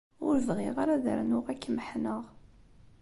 Ur bɣiɣ ara ad rnuɣ ad k-meḥḥneɣ.